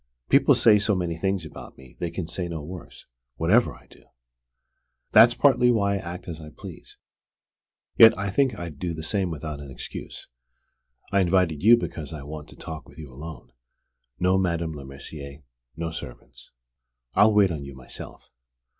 People say so many things about me, they can say no worse, whatever I do! That's partly why I act as I please. Yet I think I'd do the same without an excuse. I invited you because I want to talk with you alone; no Madame Lemercier; no servants. I'll wait on you myself."